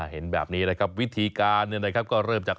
เห็นแบบนี้นะครับวิธีการก็เริ่มจาก